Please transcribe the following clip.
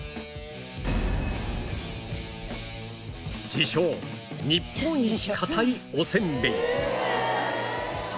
自称「日本一かたいおせんべい」